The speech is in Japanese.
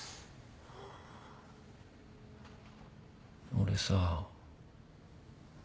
俺さ。